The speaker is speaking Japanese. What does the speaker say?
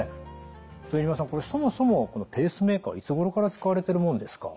副島さんこれそもそもこのペースメーカーはいつごろから使われてるものですか？